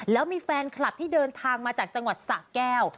แล้วมีแฟนคลับที่เดินทางมาจากจังหวัดสะแก้ว